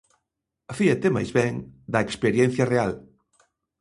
Fíate máis ben da experiencia real.